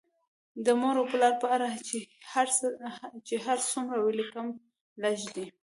د مور او پلار په اړه چې هر څومره ولیکم لږ دي